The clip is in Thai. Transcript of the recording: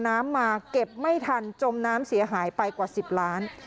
น้ำมาเก็บไม่ทันจมน้ำเสียหายไปกว่า๑๐ล้าน